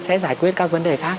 sẽ giải quyết các vấn đề khác